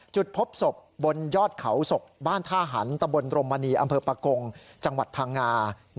จุดพบศพบนยอดเขาศกบ้านท่าหันตะบนรมมณีอำเภอปะกงจังหวัดพังงา